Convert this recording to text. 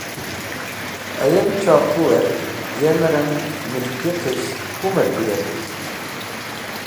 Ayem choqũw et yem rang miltiqish kumer tiwetk.